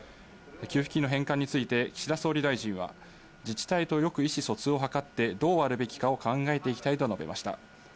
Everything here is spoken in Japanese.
給付金の返還について、岸田総理大臣は、自治体とよく意思疎通を図って、どうあるべきかを考えていきたいと述べました。